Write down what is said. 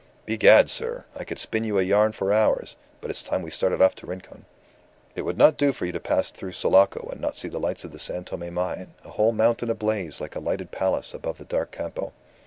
"Begad, sir! I could spin you a yarn for hours. But it's time we started off to Rincon. It would not do for you to pass through Sulaco and not see the lights of the San Tome mine, a whole mountain ablaze like a lighted palace above the dark Campo.